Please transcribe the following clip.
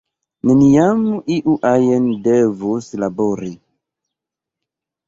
Neniam iu ajn devus labori.